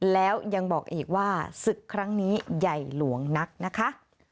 แล้วยังบอกอีกว่าศึกครั้งนี้ใหญ่หลวงนักนะคะ